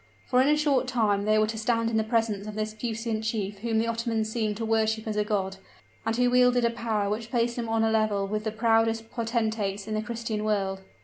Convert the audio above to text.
For in a short time they were to stand in the presence of this puissant chief whom the Ottomans seemed to worship as a god, and who wielded a power which placed him on a level with the proudest potentates in the Christian world.